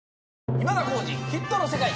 『今田耕司★ヒットの世界』。